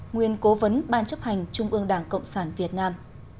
nguyên cố vấn ban chấp hành trung ương đảng cộng sản việt nam